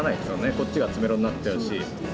こっちが詰めろになっちゃうし。